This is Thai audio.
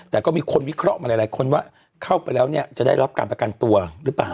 แต่ก็มีคนวิเคราะห์มาหลายคนว่าเข้าไปแล้วเนี่ยจะได้รับการประกันตัวหรือเปล่า